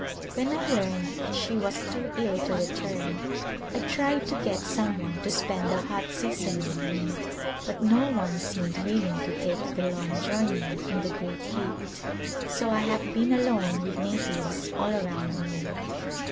When I learned that she was too ill to return I tried to get some one to spend the hot season with me but no one seemed willing to take the long journey in the great heat so I have been alone with natives all around me.